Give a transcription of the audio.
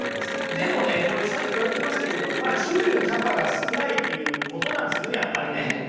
でもねさっき言われてましたけど注意のキャパが少ないっていうことなんですよねやっぱりね。